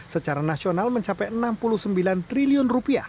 secara nasional mencapai rp enam puluh sembilan triliun